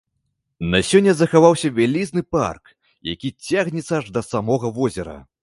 На сёння захаваўся вялізны парк, які цягнецца аж да самога возера.